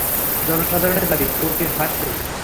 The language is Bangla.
জনসাধারণের দাবি, কুট্টির ফাঁসি।